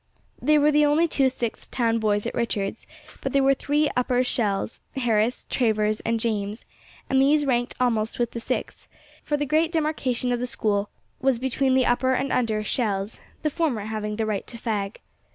They were the only two Sixth town boys at Richards', but there were three Upper 'Shells,' Harris, Travers, and James, and these ranked almost with the Sixth, for the great demarcation of the School was between the Upper and Under 'Shells,' the former having the right to fag.